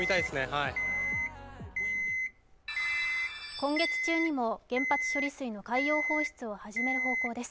今月中にも原発の処理水の海洋放出を始める予定です。